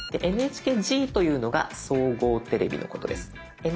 でＮＨＫＧというのが総合テレビのことです。